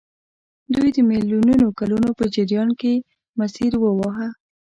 دوی د میلیونونو کلونو په جریان کې مسیر وواهه.